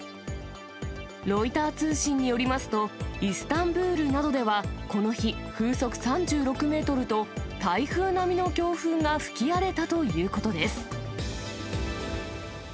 ロイター通信によりますと、イスタンブールなどではこの日、風速３６メートルと、台風並みの強風が吹き荒れたということです。